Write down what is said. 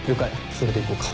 それでいこうか。